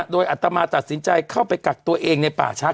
โดยอัตมาตัดสินใจเข้าไปกักตัวเองในป่าช้า